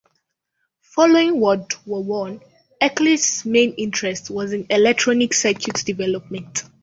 Following World War One Eccles' main interest was in electronic circuit development.